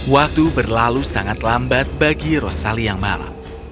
waktu berlalu sangat lambat bagi rosali yang marah